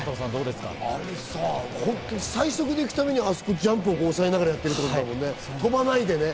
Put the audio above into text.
あれ、最速でいくために、あそこジャンプを抑えながらやってるんだよね、飛ばないでね。